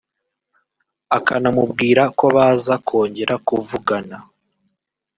akanamubwira ko baza kongera kuvugana